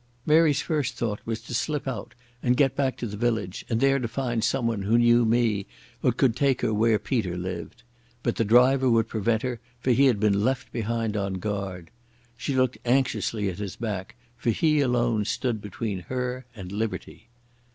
Mary's first thought was to slip out and get back to the village and there to find someone who knew me or could take her where Peter lived. But the driver would prevent her, for he had been left behind on guard. She looked anxiously at his back, for he alone stood between her and liberty.